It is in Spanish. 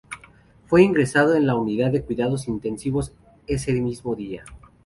Fue ingresado en la Unidad de Cuidados Intensivos ese mismo día.